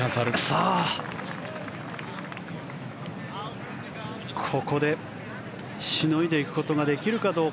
さあ、ここでしのいでいくことができるか。